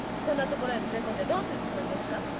こんな所へ連れ込んでどうするつもりですか？